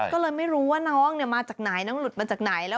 ก็เลยไม่รู้ว่าน้องมาจากไหนน้องหลุดมาจากไหน